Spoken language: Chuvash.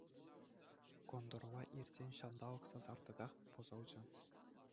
Кӑнтӑрла иртсен ҫанталӑк сасартӑках пӑсӑлчӗ.